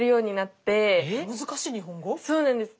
そうなんです。